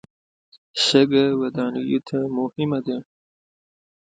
شګه ودانیو ته مهمه ده.